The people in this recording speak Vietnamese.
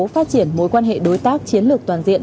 phát triển mối quan hệ đối tác chiến lược toàn diện